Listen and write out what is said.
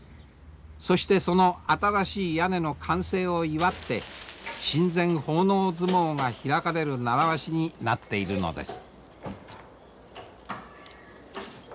そしてその新しい屋根の完成を祝って神前奉納相撲が開かれる習わしになっているのです。